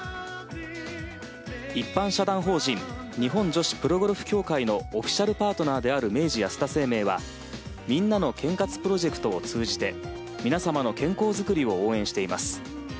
一般社団法人日本女子プロゴルフ協会のオフィシャルパートナーである明治安田生命はみんなの健活プロジェクトを通じて皆様の健康づくりを応援しています。